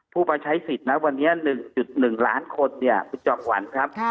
ผู้ประใช้สิทธิ์นะวันนี้๑๑ล้านคนคุณจอบหวันครับ